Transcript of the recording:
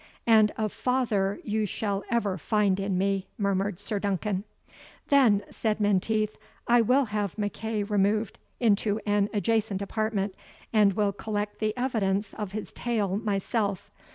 "And a father you shall ever find in me," murmured Sir Duncan. "Then," said Menteith, "I will have MacEagh removed into an adjacent apartment, and will collect the evidence of his tale myself.